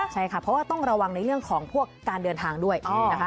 ใช่ค่ะเพราะว่าต้องระวังในเรื่องของพวกการเดินทางด้วยนะคะ